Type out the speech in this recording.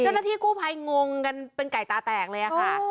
เจ้าหน้าที่กู้ภัยงงกันเป็นไก่ตาแตกเลยค่ะ